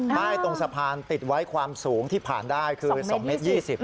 ป้ายตรงสะพานติดไว้ความสูงที่ผ่านได้คือ๒เมตร๒๐